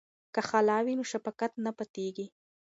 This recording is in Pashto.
که خاله وي نو شفقت نه پاتیږي.